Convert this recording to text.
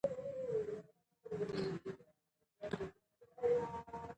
کولمو بکتریاوې د دماغ فعالیت سره تړلي دي.